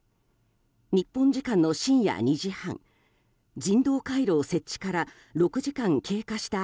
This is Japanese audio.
日本時間の深夜２時半人道回廊設置から６時間経過した